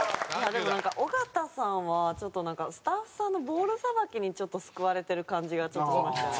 でもなんか尾形さんはちょっとなんかスタッフさんのボールさばきに救われてる感じがちょっとしましたよね。